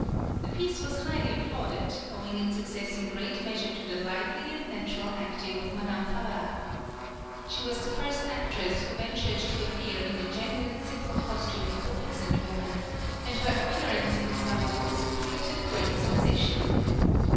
The piece was highly applauded, owing its success in great measure to the lively and natural acting of Madame Favart. She was the first actress who ventured to appear in the genuine simple costume of a peasant woman, and her appearance in sabots created a great sensation.